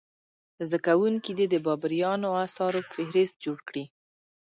زده کوونکي دې د بابریانو اثارو فهرست جوړ کړي.